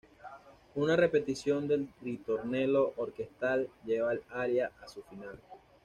Una repetición del "ritornello" orquestal lleva el aria a su final.